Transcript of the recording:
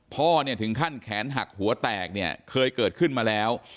พ่อเนี่ยถึงขั้นแขนหักหัวแตกเนี่ยเคยเกิดขึ้นมาแล้ว